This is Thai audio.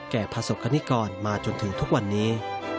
แก่พระศักดิกรมาจนถึงทุกวันนี้